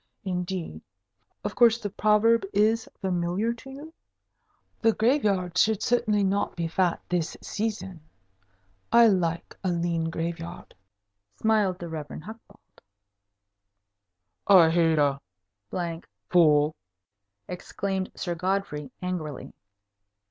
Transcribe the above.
Indeed, of course the proverb is familiar to you? the graveyards should certainly not be fat this season. I like a lean graveyard," smiled the Rev. Hucbald. "I hate a fool!" exclaimed Sir Godfrey, angrily.